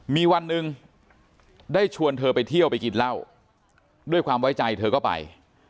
มีวันหนึ่งได้ชวนเธอไปเที่ยวไปกินเหล้าด้วยความไว้ใจเธอก็ไป